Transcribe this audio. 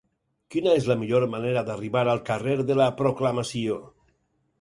Quina és la millor manera d'arribar al carrer de la Proclamació?